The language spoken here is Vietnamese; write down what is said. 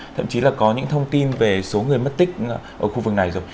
thậm chí là có những thông tin về số người mất tích ở khu vực này rồi